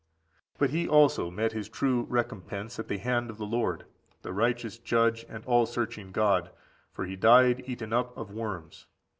But he also met his due recompense at the hand of the Lord, the righteous Judge and all searching God; for he died eaten up of worms.